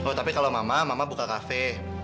oh tapi kalau mama mama buka kafe